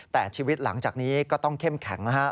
แต่ชีวิตหลังจากนี้ก็ต้องเข้มแข็งนะฮะ